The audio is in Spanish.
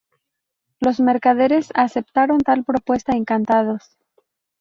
Los mercaderes aceptaron tal propuesta encantados.